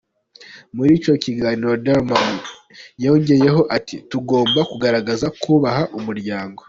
Muri icyo kiganiro, Dalman yongeyeho ati: "Tugomba kugaragaza kubaha umuryango.